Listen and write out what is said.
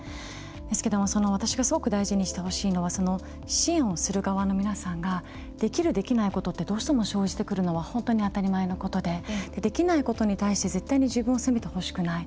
ですけども私がすごく大事にしてほしいのはその支援をする側の皆さんができる、できないことってどうしても生じてくるのは本当に当たり前のことでできないことに対して絶対に自分を責めてほしくない。